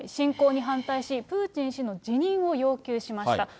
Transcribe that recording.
侵攻に反対し、プーチン氏の辞任を要求しました。